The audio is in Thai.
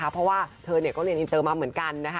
เพราะว่าเธอก็เรียนอินเตอร์มาเหมือนกันนะคะ